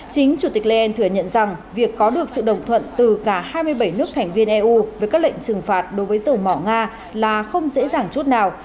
chính chủ tịch len thừa nhận rằng việc có được sự đồng thuận từ cả hai mươi bảy nước thành viên eu với các lệnh trừng phạt đối với dầu mỏ nga là không dễ dàng chút nào